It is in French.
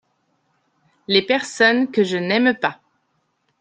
Les personnes que je n’aime pas.